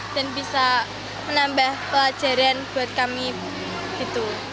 dan bisa menambah pelajaran buat kami gitu